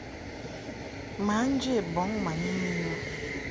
Mǎ nje bɔŋ ma ni mi bə.